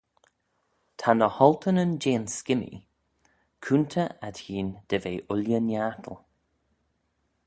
Ta ny h-olteynyn jeh'n skimmee coontey adhene dy ve ooilley-niartal.